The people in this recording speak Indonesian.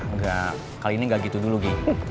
enggak kali ini gak gitu dulu g